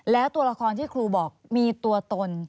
แล้วตัวละครที่ครูบอกมีตัวตน